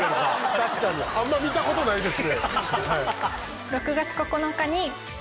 確かにあんま見たことないです。